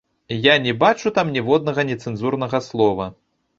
Я не бачу там ніводнага нецэнзурнага слова.